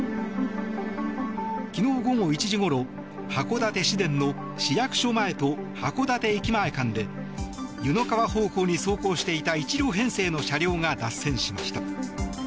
昨日午後１時ごろ函館市電の市役所前と函館駅前間で湯の川方向に走行していた１両編成の車両が脱線しました。